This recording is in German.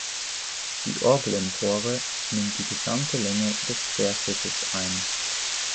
Die Orgelempore nimmt die gesamte Länge des Querschiffes ein.